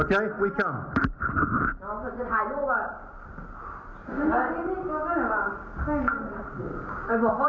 เยี่ยมทุกคนจะมา